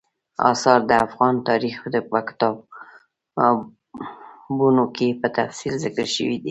انار د افغان تاریخ په کتابونو کې په تفصیل ذکر شوي دي.